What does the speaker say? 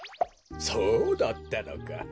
そうだったのか。